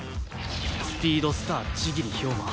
スピードスター千切豹馬。